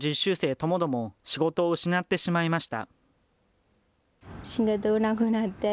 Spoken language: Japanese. ともども仕事を失ってしまいました。